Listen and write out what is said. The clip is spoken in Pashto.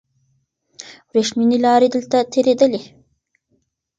وریښمینې لارې دلته تېرېدلې.